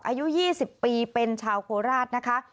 อายุ๒๐ปีเป็นชาวโคราชนะคะ